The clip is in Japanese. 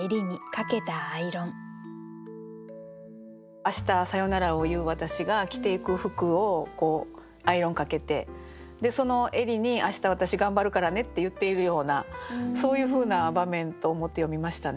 明日さよならを言う私が着ていく服をアイロンかけてその襟に「明日私頑張るからね」って言っているようなそういうふうな場面と思って読みましたね。